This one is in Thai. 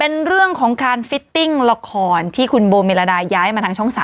เป็นเรื่องของการฟิตติ้งละครที่คุณโบเมรดาย้ายมาทางช่อง๓